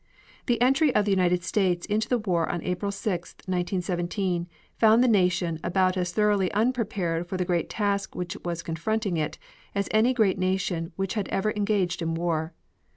The entry of the United States into the war on April 6, 1917, found the Nation about as thoroughly unprepared for the great task which was confronting it as any great nation which had ever engaged in war.